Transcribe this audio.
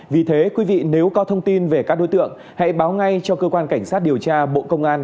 vì thế quý vị nếu có thông tin về các đối tượng hãy báo ngay cho cơ quan cảnh sát điều tra bộ công an